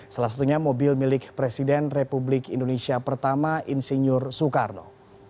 salah satunya mobil milik presiden republik indonesia pertama insinyur soekarno